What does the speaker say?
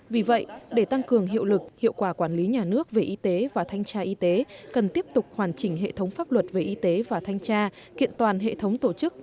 vì vậy để tăng cường hiệu lực hiệu quả quản lý nhà nước về y tế và thanh tra y tế cần tiếp tục hoàn chỉnh hệ thống pháp luật về y tế và thanh tra kiện toàn hệ thống tổ chức